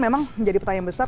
memang menjadi pertanyaan besar